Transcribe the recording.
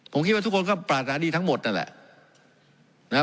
ผมคิดว่าทุกคนก็ปราณาดีทั้งหมดนั่นแหละ